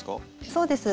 そうです